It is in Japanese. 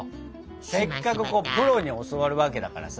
せっかくプロに教わるわけだからさ。